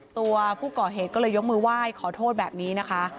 ตัวผู้ก่อเหตุก็เลยยกมือไหว้ขอโทษแบบนี้นะคะ